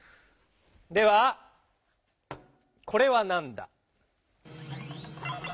ではこれはなんだ？